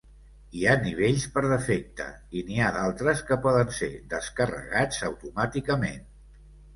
Hi ha nivells per defecte, i n'hi ha d'altres que poden ser descarregats automàticament.